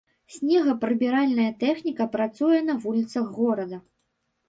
Снегапрыбіральная тэхніка працуе на вуліцах горада.